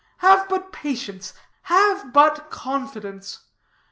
Have but patience, have but confidence.